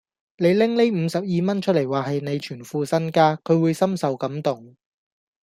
你拎呢五十二蚊出黎話係你全副身家，佢會深受感動